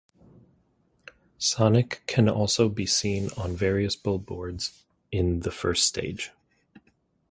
Sonic can also be seen on various billboards in the first stage.